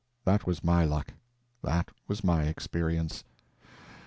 That was my luck; that was my experience.